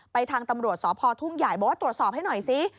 ทางตำรวจสพทุ่งใหญ่บอกว่าตรวจสอบให้หน่อยซิ